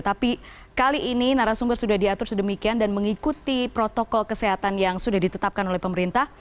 tapi kali ini narasumber sudah diatur sedemikian dan mengikuti protokol kesehatan yang sudah ditetapkan oleh pemerintah